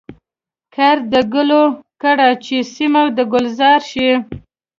کرد د ګلو کړه چي سیمه د ګلزار شي.